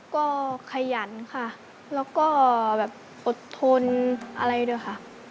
ก็ขยันค่ะแล้วก็แบบอดทนอะไรด้วยค่ะ